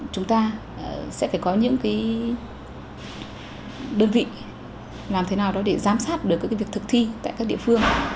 chúng ta sẽ phải có những đơn vị làm thế nào đó để giám sát được việc thực thi tại các địa phương